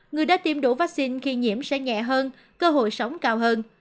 người đã tiêm đủ vaccine khi nhiễm sẽ nhẹ hơn cơ hội sống cao hơn